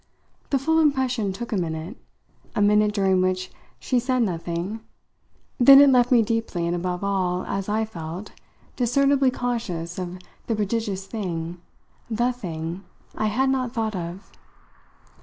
The full impression took a minute a minute during which she said nothing; then it left me deeply and above all, as I felt, discernibly conscious of the prodigious thing, the thing, I had not thought of.